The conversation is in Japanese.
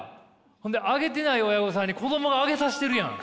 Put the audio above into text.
それで挙げてない親御さんに子供が挙げさせてるやん！